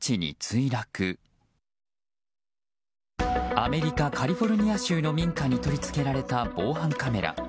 アメリカ・カリフォルニア州の民家に取り付けられた防犯カメラ。